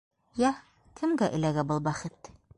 Йә, кемгә эләгә был бәхет?